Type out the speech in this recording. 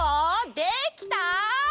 できた？